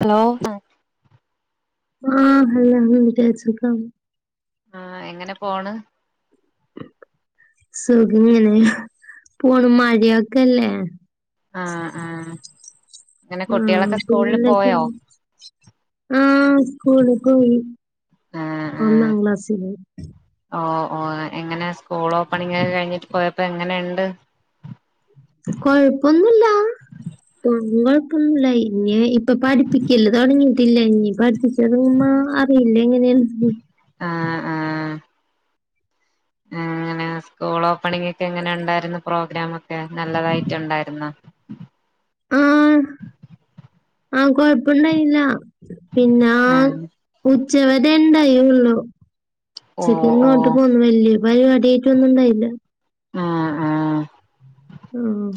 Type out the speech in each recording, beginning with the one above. Hello [unintelligible] ആ എങ്ങനെ പോണ് [unintelligible] മഴായാക്കല്ലേ ആ ആഹ് അങ്ങനെയോ ആഹ് പിന്നെന്താ ആ സ്കൂളിൽ പോയി ആഹ് ആഹ് ഒന്നാം ക്ലാസിലെ സ്കൂൾ ഓപ്പണിംഗ് കഴിഞ്ഞു പോയപ്പോൾ എങ്ങനെയുണ്ട് കുഴപ്പമൊന്നുമില്ല ഇപ്പോൾ പഠിപ്പിക്കൽ തുടങ്ങിയിട്ടില്ല. [unintelligible] അറിയില്ല എങ്ങനെയാണ് ആഹ് ആഹ് സ്കൂൾ ഓപ്പണിംഗ് എങ്ങനെയുണ്ടായിരുന്നു പ്രോഗ്രാം ഒക്കെ നല്ലതായിരുന്നു [inaudible] ആ കുഴപ്പമുണ്ടായില്ല പിന്നെ ആഹ് ഉച്ചവരെ ഉണ്ടായുള്ളൂ. ഓ ഉച്ചയ്ക്ക് ഓ കൊണ്ടുപോകുന്നു [unintelligible] [unintelligible] ആഹ് ആഹ് ഓഹ്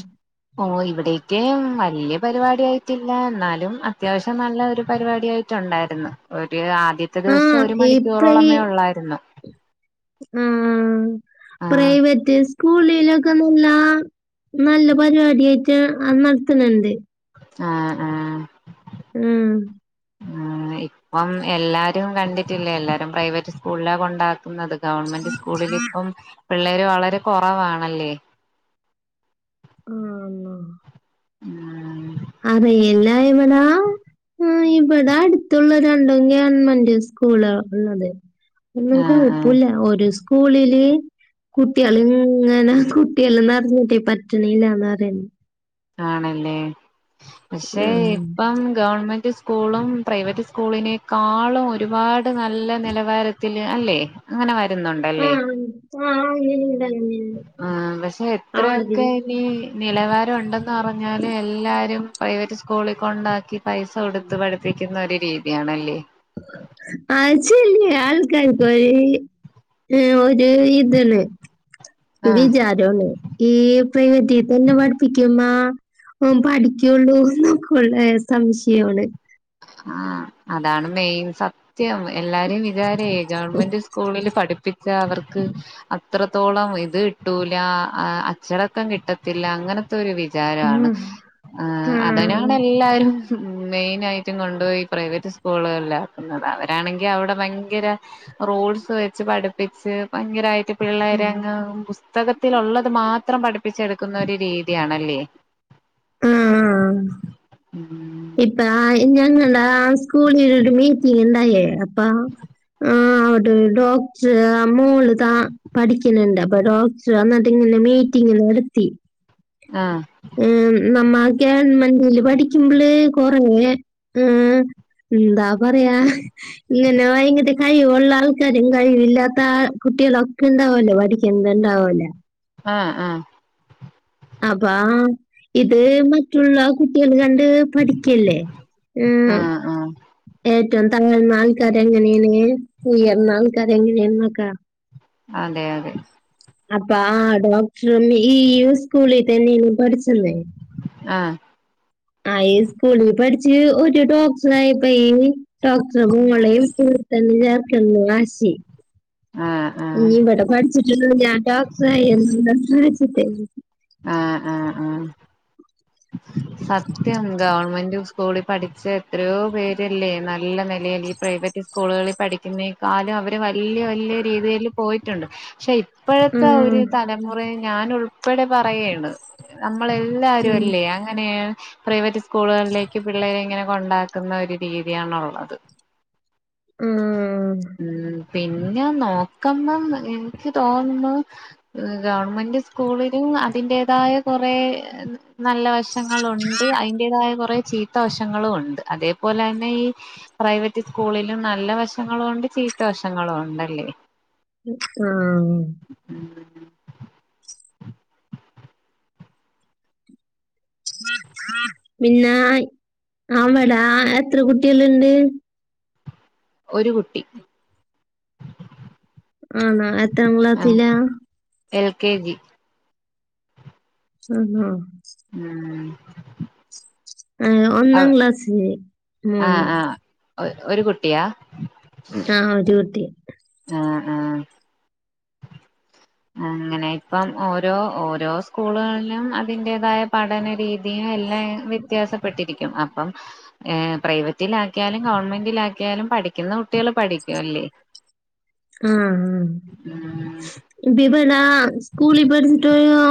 ഇവിടേക്ക് വലിയ പരിപാടി ആയിട്ടില്ലന്നാലും അത്യാവശ്യം നല്ല പരിപാടിയായിരുന്നു അടുത്ത ദിവസം ആഹ് ഒരു മണിക്കൂറേ ഉള്ളായിരുന്നു മം മം ആഹ് പ്രൈവറ്റ് സ്കൂള് ല്ലൊക്കെ നല്ല പരിപാടിയായിട്ട നടത്താനിണ്ട് ആ ആഹ് മ്മ് ആ ഇപ്പോമ് ല്ലാരും കണ്ടിട്ടില്ലേ ല്ലാരും പ്രൈവറ്റ് സ്കൂളിലാ കൊണ്ടാക്കുന്നത്. ന്നത് ഗവണ്മെന്റ് സ്കൂളിൽ ഇപ്പം പിള്ളാര്‌ വളരെ കൊറവാണല്ലേ ആണ [inaudible] ഇവിട മ്മ് ഇവട അടുത്ത ഉള്ള രണ്ടും ഗവണ്മെന്റ് സ്കൂളാ ഉള്ളത് മ്മ് ആഹ് ആഹ് കൊഴപ്പുല്ല ഒരു സ്കൂളില് കുട്ടികളുങ്ങനെ കുട്ടികള് നിറഞ്ഞോണ്ട് പറ്റണില്ല ന്ന് പറയേണ് ആണല്ലേ? പക്ഷെ ആഹ് ഇപ്പ ഗവണ്മെന്റ് സ്കൂൾ സ്കൂളും പ്രൈവറ്റ് സ്കൂളിനെക്കാളും ഒരുപാട് നല്ല നിലാവര ത് അല്ലേ അങ്ങനെ ക ന്നോണ്ടല്ലേ ആഹ് ആഹ് അങ്ങനെണ്ട് അങ്ങനെണ്ട് അവിട പറഞ്ഞാലെല്ലാരും ഈ പ്രൈവറ്റ് സ്കൂള് ഉണ്ടാക്കി പൈസ കൊടുത്ത് വരപ്പിക്കുന്നഇരു ബേബിയാണല്ലേ ആച്ചിന്ന ആൾ കാരിക്കോളി ഒരു ഇതില്ലേ... ഒരു ആഹ് വിചാരള്ളു ഈ പ്രൈവറ്റിൽ തന്നെ പഠിപ്പിക്കുമ്പ ഓൻ പഠിക്കുള്ളോ സ്കൂളിലെ സംശയങ്ങള് ആ അതാണ്‌ മെയിൻ സത്യം എല്ലാരേം ഇത് ഈ ഗവണ്മെന്റ് സ്കൂളില് പഠിപ്പി പിന്നെ അവർക്ക് അത്രത്തോളം ഇത് കിട്ടുല്ല.. അച്ചടക്കം കിട്ടത്തില്ല അങ്ങനാത്തൊരിത് ഒരു വിചാരാണ്... ആ അതിനാണെല്ലാരും മെയിനായി ങ്കൊണ്ടോയി പ്രൈവറ്റ് സ്കൂളില്ലെ അവൻ ആണെങ്കിൽ അവടെ ഭയങ്കര റൂൾസ്‌ വച്ചു പഠിപ്പിച്ച് ഭയങ്കരയിട്ട് പിള്ളേരെ ഉം. അങ്ങ് പുസ്തകത്തിൽ ഒള്ളത് മാത്രം പഠിപ്പിച്ചെടുത്ത ന്നൊരു രീതിയാണല്ലേ മ്മ്... ഉം ഇപ്പയാ ഞങ്ങളാസ്ക്കൂ സ്കൂളിലൊരു മീറ്റിങ് ഇ ല്ലേ അവിട ഒരു ഡോക്ടട മോളു പഠിക്കാനുണ്ട അപ്പ ഡോക്ടർന്ന്നിട്ട് ഇങ്ങിനെ മീറ്റിംഗ് നാട്തഈ മ്മ് ഗവണ്മെന്റ് ൽ പഠിക്കുമ്പള് കുറഞ്ഞ മ്മ് ന്തപറയാ ഇങ്ങന [unintelligible] കഴിവൊള്ള ആൾക്കാരും കഴിവില്ലാത്ത കുട്ടികളൊക്കെ ഉണ്ടാവുല്ലോ പഠിക്കുന്ന ഉണ്ടാവു അ ആ അപ്പൊ ഇത് മറ്റുള്ള കുട്ടികൾ കണ്ട് പഠിക്കല്ലേ ആഹ് ആഹ് ഏറ്റവും താഴ്ന്ന ആൾക്കാർ എങ്ങനെ ഉയർന്ന ആൾക്കാർ എങ്ങനെ ആണ് എന്നൊക്ക അതെ അതെ അപ്പൊ ആ ഡോക്ടറും ഈ സ്കൂളിൽ തന്നെ ആണോ പഠിച്ചത് ആ ആ ഈ സ്കൂളിൽ പഠിച്ച് ഒരു ഡോക്ടർ ആയപ്പോൾ ഡോക്ടറെ മോളെയും ഈ സ്കൂളിൽ തന്നെ ചേർക്കണം എന്ന് വാശി ആഹ് ആഹ് ഇനി ഇവിടെ പഠിച്ച് ഞാൻ ഡോക്ടർ ആയി ആ സത്യം ഗവണ്മെന്റ് സ്കൂളിൽ പഠിച്ച എത്രയോ പേര് അല്ലെ നല്ല നിലയിൽ ഈ പ്രൈവറ്റ് സ്കൂളിൽ പഠിക്കുന്നതിനേക്കാളും അവർ വ ല്ല വല്ല രീതിയിൽ പോയിട്ടുണ്ട് പക്ഷെ ഇപ്പൊ ഇപ്പോഴത്തെ ഒരു തലമുറ ഞാനുൾപ്പെടെ പറയേണ് നൻപ്പ ഉം. ഇങ്ങളെല്ലരൊല്ലേ അങ്ങനെ മൾ പ്രൈവറ്റ് സ്കൂള്കളിലേക്ക് ക്ക് പിള്ളേരി ഇങ്ങനെ കൊണ്ടാ ക്യു ക്ക് ഇമ്മാതിരി രീതിയാണുള്ളത് ക്ക ഇമ്മ്മ് പിന്നെ നോക്കമ്പം എനിക്ക് തോന്നുന്നു മ്മ് ഗവണ്മെന്റ് സ്കൂളിൽ ഊ അതിന്റെതായ കൊറേ ആം നല്ല വശങ്ങളുണ്ട് അയിന്റെതായ കുറേ മ്മ് ചീത്ത വശങ്ങളുണ്ട് അതെ പോലെ തന്നെ ഈ പ്രൈവറ്റ് സ്കൂളിലും നല്ല വശങ്ങളുണ്ട് ചീത്ത വശങ്ങളുണ്ടല്ലേ മ്മ് എ ഉമ്മ്മ്മ്മ് മിന്നേം അവടേ എത്ര കുട്ട്യാളിണ്ട് ഒരു കുട്ടി ഗ്ഗ്ഗ്ഗ്ഗ്ഗ് ഗ്യ ആണോ എത്രാം ക്ലാസില എൽ. കെ. ജി മ്മ്ന്നോ ഉമ്മ്മ്മ് ആ ഒന്നാം ക്ലാസ്സില് മോന് ഒ ര് ഒരു കുട്ടിയാ ഒ ട്ടാ ദ്യോ ത്തെ ആ ആ അങ്ങനെയെപ്പം ഓരോ ഓരോ സ്കൂളുകളിലും അതിൻ്റേതായ പഠനരീ നീ യെല്ലയും വ്യത്യാസപ്പെട്ടിരിക്കും അ ദി പ്പം എ പ്രൈവെറ്റിലാക്കിയാലും ഗവൺമെൻ്റിലാക്കിയാലും പഠിക്കുന്ന കുട്ട്യാള് പടിക്യുല്ലെ ആ ആ മ്മ് ഉം വിഭാനാ സ്‌കൂളി ബർട്ടോയോ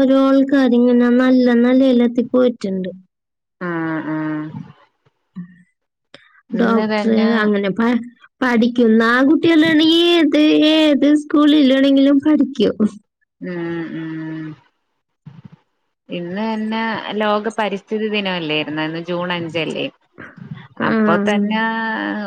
ഒരോൾക്ക് അതിങ്ങന്ന നല്ല നെലേയി ലെത്തി പോയിറ്റിണ്ട് ആഹ് ആഹ് ഗ്ഉം ഇന്ന് ഡേക്ടറേ തന്നെ അങ്ങനെ പ പഠിക്കുന്ന കുട്ട്യാളളീം ഏ ഏത് സ്ക്കൂളിലൊണെങ്കിലും പഠിക്കും മ് മ്മ് ഇന്നന്നെ ലോക പരിസ്ഥിതി ദിനല്ലേർന്നാ ഇന്ന് ജൂൺ അഞ് ഞ്ചലെ അപ്പൊ ആ തന്നെ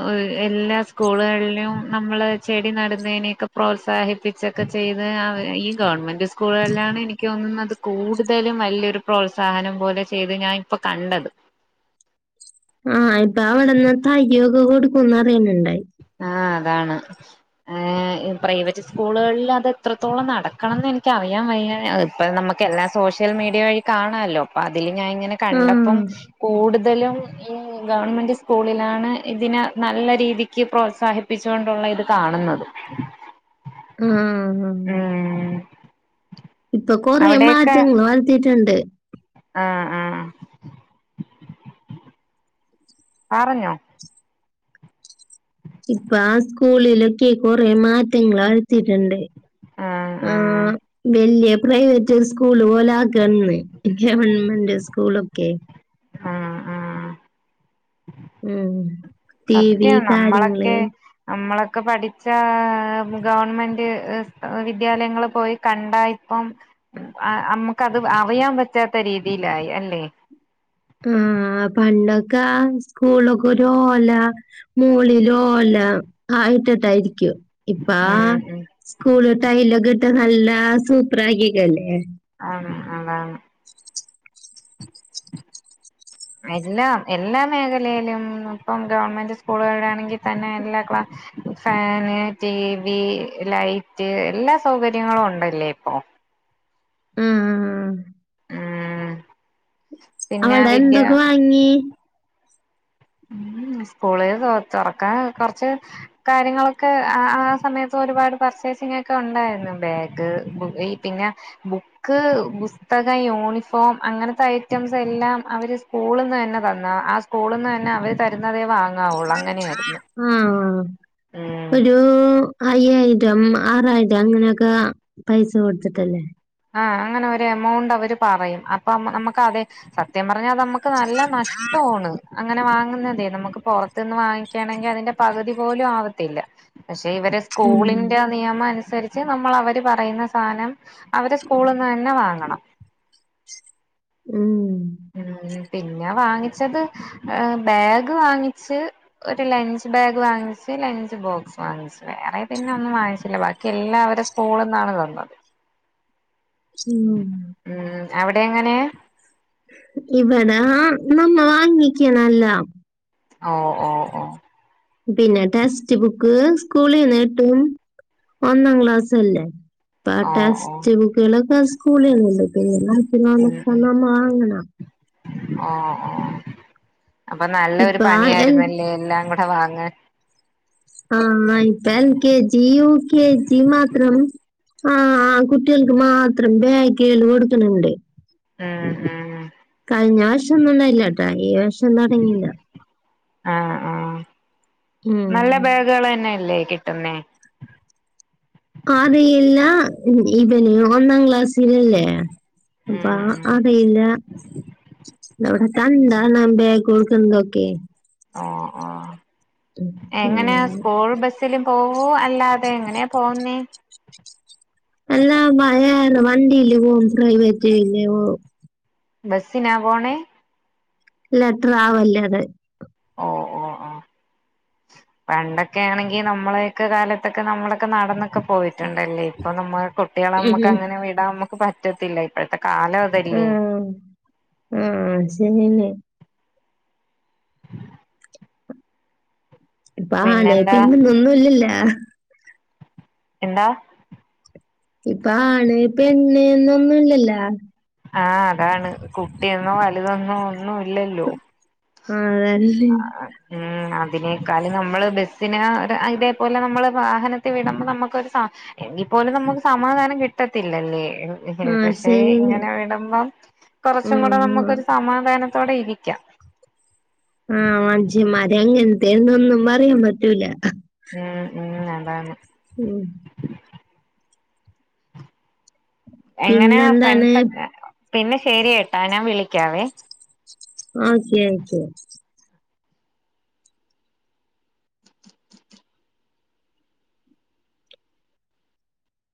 ഓഹ് എല്ലാ സ്കൂൾ കളിലും നമ്മളെ ചെടി നടന്നെയ്നെ ഒക്കെ പ്രോസ്ലാഹിപ്പിച്ചെക്കെ ചെയ്ത് അവ ഈ ഗവൺമെൻ്റ് സ്‌കൂൾ കളിലാണ് എനിക്ക് തോന്നുന്നത് കൂട്തെലും വല്ലൊരു പ്രോത്സാഹനം പോലെ ചെയ്തെത് ഞാ ഇപ്പ കണ്ടത് [unintelligible] കൊട്ക്കുന്ന് പറെൽ ഇണ്ടായി ആ അതാണ് ഏ പ്രവൈറ്റ് സ്കൂൾ കളിൽ അത് എത്രത്തോളം നടക്കണംന്ന് എനിക്കറിയാൻ വയ്യ അതിപ്പ നമ്മ്ക്ക് എല്ലാ സോഷ്യൽ മീഡിയ വഴി കാണാലോ അപ്പ അതിൽ ഞാ ഇങ്ങനെ ആഹ് കണ്ടപ്പം കൂട് തെലും ഈ ഗവൺമെൻ്റ് സ്കൂളിലാണ് ഇതിനെ നല്ല രീതി ക്ക് പ്രോൽസാഹിപ്പിച്ചോണ്ടുള്ള ഇത് കാണു ഉം ഉം ഉം ഇപ്പ കൊറേ അവിടെയൊക്കെ മാറ്റങ്ങള് വരുത്തീറ്റ് ട്ട്ണ്ട് ആഹ് ആഹ് അറിഞ്ഞോ? ഇപ്പ സ്കൂളിലൊക്കെ കൊറെ മാറ്റങ്ങള് വരുത്തീട്ട്ണ്ട് ആഹ് ആഹ് പ്രൈവറ്റ് സ്‌ക്കൂള്പോ ലാക്കാ [unintelligible] ഗവൺമെൻ്റ് സ്‌ക്കൂളൊക്കെയെ ആഹ് ആഹ് ഉം ടി സത്യാ വി നമ്മളക്കെ കാര്യങ്ങള് നമ്മളക്ക് ക്കെ പഠിച്ചാ ഗവൺമെൻ്റ് വിദ്യാലയങ്ങള് പോയി കണ്ടാ ഇപ്പം അമ്മക്കത് അറിയാൻ പറ്റാത്ത രീതിയിലായി അല്ലേ ആഹ് പണ്ടൊക്ക് ക്കെ സ്കൂളിലൊക്കെ ഒരു ഓല മോളില് ഓല ഇട്ട്ട്ടായിരി ക്കും ഇപ്പാ ഉം ഉം സ്‌കൂള് ടൈലൊക്കെ ഇട്ട് നല്ല സൂപ്പറാക്കിക്കല്ലേ ആണോ ആ എല്ലാം എല്ലാ മേഖലേലും ഇപ്പം ഗവൺമെൻറ് സ്കൂളുകളാണെങ്കിൽ തന്നെ എല്ലാ ക്ലാ ഫാന് ടി വി ലൈറ്റ് എല്ലാ സൗകര്യങ്ങളും ഉണ്ടല്ലേ ഇപ്പോ ഉം ഉം ഉം ഉം പിന്നെ അവളുടെ വിദ്യ എന്തൊക്കെ വാങ്ങി ഉം സ്കൂള് തൊ തൊറക്കാൻ കൊറച്ച് കാര്യങ്ങളൊക്കെ ആ ആ സമയത്ത് ഒരു പാട് പർച്ചേസിങ്ങൊക്കെ ഉണ്ടായിരുന്നു ബാഗ് ബു ഈ പിന്നെ ബുക്ക്, പുസ്തകം, യൂണിഫോം അങ്ങനത്ത ഐറ്റംസ് എല്ലാം അവര് സ്കൂളീന്ന് തന്നെ തന്ന് ആ സ്കൂളീന്ന് അവര് തരു ന്നതേ വാങ്ങാറുള്ളൂ അങ്ങനെ ആയിരുന്നു ആഹ് ഉം ഒരു അയ്യായിരം ആറായിരം അങ്ങനെയൊക്കെ പൈസ കൊടുത്തിട്ടല്ലേ ആ അങ്ങനെ ഒരു എമൗണ്ട് അവര് പറയും അപ്പ നമ്മ നമ്മക്കാകെ സത്യം പറ ഞ്ഞാൽ നമ്മക്ക് നല്ല നഷ്ടമാണ് അങ്ങന വാങ്ങുന്നതേ നമ്മക്ക് പൊറത്തിന്ന് വാങ്ങിക്കേണങ്കി അതിന്റെ പകുതി പോലും ആവത്തില്ല പക്ഷേ ഇവരെ ഉം സ്കൂളിന്റ നിയമം അനുസ തിരിച്ച് നമ്മളവര് പറയുന്ന സാനം അവരെ സ്കൂളിന്നന്ന വാങ്ങണം ഉം [unintelligible] പിന്ന വാങ്ങിച്ചത് ആ ബാഗ് വാങ്ങിച്ച് ഒരു ലഞ്ച് ബാഗ് വാങ്ങിച്ച് ലഞ്ച് ബോക്സ് വാങ്ങിച്ച് വേറെ പിന്ന ഒന്നും വാങ്ങിച്ചില്ല ബാക്കി എല്ലാ അവര്ട സ്കൂളിന്നാണ് തന്നത് ഉം അവിടെങ്ങനെ ഇവട നമ്മ വാങ്ങിക്കണെല്ലാം ഒ ഓ ഓ പിന്ന ടസ്റ്റ് ബുക്ക് സ്കൂളീന്ന് കിട്ടും ഒന്നാം ക്ലാസല്ലേ പ്പ ആ ഓ ഓ ടെസ്റ്റ് ബുക്ക്കള് ടെസ് സ്കൂളീന്ന് [unintelligible] [unintelligible] മാങ്ങണം ആ ആ അപ്പ നല്ലൊരു ഇപ്പൊ ആ എൽ പണിയായിരുന്നല്ലേ എല്ലാം കൊ വാങ്ങ ആ ഇപ്പ L K G U K G മാത്രം ആ കുട്ട്യേൾക്ക് മാത്രം ബ്യാഗ്‌കള് കൊടുക്കണണ്ട് ആ ആ വർഷം ഒന്നും ഉണ്ടായില്ല കേട്ടാ ഈ വർഷം തുടങ്ങിയില്ല ആ ആ നല്ല ഉം ബാഗ് കള് തന്നേല്ലേ കിട് ന്നെ ആതിയില്ല ഇത് ഒന്നാംക്ലാസ് റ്റിലില്ലെ അപ്പൊ ഉം ഉം ആ പേരിലാ അവിടെ കണ്ടാ നമ്പി ആയിക്കോളും ന്തൊക്കെ ആ ആ എങ്ങനെ ഉം സ്കൂള് ബസിൽ പോ ഓ അല്ലാതെ എങ്ങനെ പോകുന്നേ അല്ലാ മയ്യാർ വണ്ടീൽ പ്രൈവറ്റ് ഇല്ലേ പോ ബസിനാ പോണേ ഇല്ല ട്രാവല്ലറ് ഏഹ് ഏഹ് ഏഹ് പണ്ടൊക്കെ ആണെങ്കിൽ നമ്മളൊക്കെ കാലത്തൊക്കെ നമ്മളൊക്കെ നടന്നൊക്കെ പോ പോയിട്ടുണ്ടല്ലേ ഇപ്പം നമ്മള് കുട്ടികളെ നമ്മൾക്ക് അങ്ങനെ വിടാൻ നമ്മക്ക് പ റ്റത്തില്ല ഇപ്പോഴത്തെ കാലം ആ അതല്ലേ ആ സരി തന്നെ ഇപ്പ പിന്നെന്താ അലോപ്പനി മുള്ളുല്ലല്ല എന്താ ഇപ്പ അലോപ്പന്നെന്ന് മുള്ളല്ല ആ അതാണ് കുട്ടിനോ അ ത് വന്നോ ആ അതാണ് ഉം അതിനേക്കാളും നമ്മള് ബസിന് അത ഇതേപോലെ നമ്മള് വാഹനത്തിൽ വിടുമ്പോ നമ്മക്കൊരു സ എങ്കിൽ പോലും നമ്മക്ക് സമാധാനം കിട്ടത്തില്ലലേ എൻ എം ആ പക്ഷെ ശരിയാണ് ഇങ്ങനെ വിടുമ്പോ കുറച്ചും ഉം കൂടി ഉം. നമ്മക്കൊരു സമാധാനം തോടെ ഇരിക്കാം തേൻ തിന്ന് ഇമ്മാരി ഇരുന്നിട്ടും ഇല്ല ഉം ഉം അതാണ് ഉം എങ്ങനെ പിന്നെന്താണ് ഫ്രൻ്റ്സ് ഒക്കെ പിന്നെ ശരി കേട്ടാ ഞാൻ വിളിക്കാവേ ആക്കെ ആക്കെ